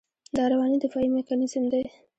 دا رواني دفاعي میکانیزم دی.